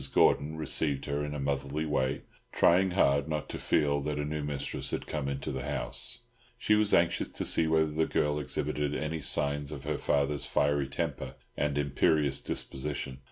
Gordon received her in a motherly way, trying hard not to feel that a new mistress had come into the house; she was anxious to see whether the girl exhibited any signs of her father's fiery temper and imperious disposition.